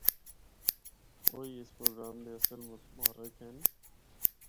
اوہی اس پروگرام دے اصل محرک ہن۔